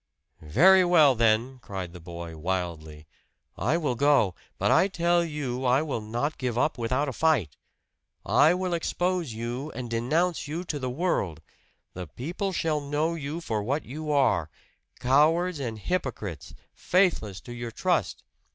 "Very well, then," cried the boy wildly, "I will go. But I tell you I will not give up without a fight. I will expose you and denounce you to the world! The people shall know you for what you are cowards and hypocrites, faithless to your trust!